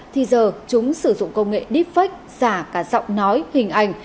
thì giờ chúng sử dụng công nghệ deepfake giả cả giọng nói hình ảnh